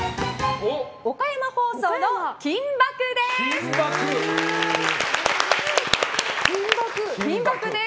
岡山放送の「金バク！」です。